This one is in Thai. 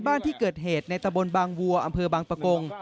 บานที่เกิดเหตุในตะบลบางวัวองค์เบอร์บางประกง